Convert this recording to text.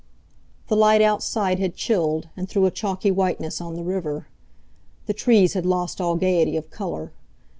The light outside had chilled, and threw a chalky whiteness on the river. The trees had lost all gaiety of colour.